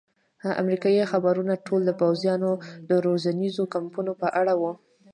امریکایي خبرونه ټول د پوځیانو د روزنیزو کمپونو په اړه وو.